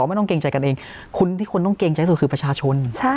ไม่ต้องเกรงใจกันเองคนที่คุณต้องเกรงใจสุดคือประชาชน